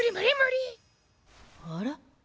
あら？